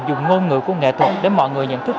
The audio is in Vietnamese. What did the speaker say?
dùng ngôn ngữ của nghệ thuật để mọi người nhận thức